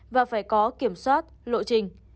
và phải có kiểm soát lộ trình